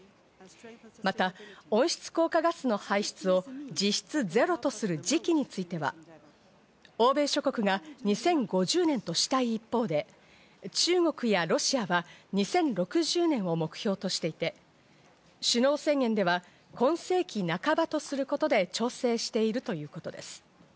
また、温室効果ガスの排出を実質ゼロとする時期については、欧米諸国が２０５０年としたい一方で、中国やロシアは２０６０年を目標としていて、首脳宣言では今世紀半ばとすることで調整しているということです。